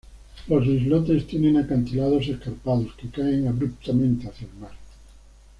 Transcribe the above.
Los islotes tienen acantilados escarpados, que caen abruptamente hacia el mar.